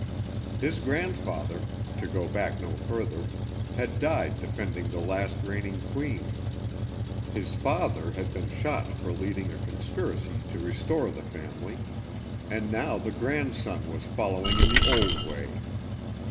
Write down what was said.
His grandfather, to go back no further, had died defending the last reigning queen, his father had been shot for leading a conspiracy to restore the family, and now the grandson was following in the old way.